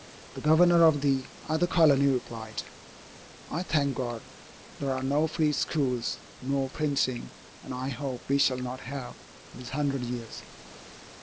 The Governor of the other colony replied, "I thank God, there are no free schools, nor printing, and I hope we shall not have, these hundred years."